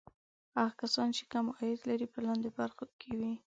هغه کسان چې کم عاید لري په لاندې برخه کې وي.